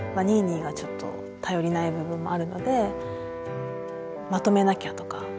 ニーニーがちょっと頼りない部分もあるのでまとめなきゃとか。